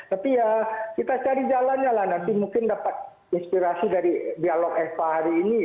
tapi ya kita cari jalannya lah nanti mungkin dapat inspirasi dari dialog eva hari ini